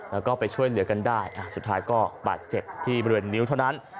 แล้วก็ไปช่วยเหลือกันได้สุดท้ายก็บาดเจ็บที่บริเวณนิ้วเท่านั้น